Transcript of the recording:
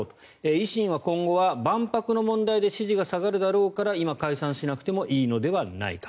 維新は今後は万博の問題で支持が下がるだろうから今、解散しなくてもいいのではないか。